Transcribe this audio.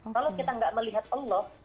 kalau kita tidak melihat allah